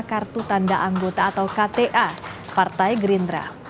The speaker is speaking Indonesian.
kartu tanda anggota atau kta partai gerindra